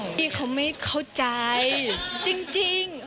พี่เขาไม่เข้าใจจริง